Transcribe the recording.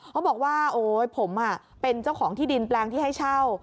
เขาบอกว่าโอ๊ยผมเป็นเจ้าของที่ดินแปลงที่ให้เช่า